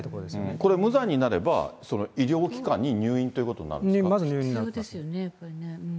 これ、無罪になれば医療機関に入院ということになるんですかまず入院になります。